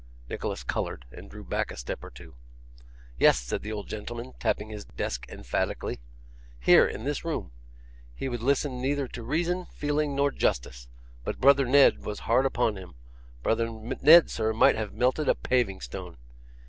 Nicholas coloured, and drew back a step or two. 'Yes,' said the old gentleman, tapping his desk emphatically, 'here, in this room. He would listen neither to reason, feeling, nor justice. But brother Ned was hard upon him; brother Ned, sir, might have melted a paving stone.